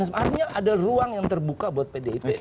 sebenarnya ada ruang yang terbuka buat pdip